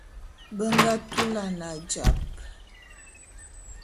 Be nga tulan ajap.